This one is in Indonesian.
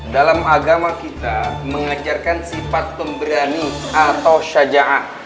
dalam agama kita mengajarkan sifat pemberani atau syajaah